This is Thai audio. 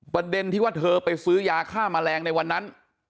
ประเด็นที่ว่าเธอไปซื้อยาฆ่าแมลงในวันนั้น